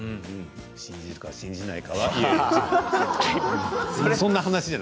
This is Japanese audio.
信じるか信じないかは。